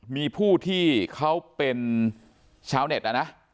มีผู้ที่เขาเป็นชาวเน็ตนะนะ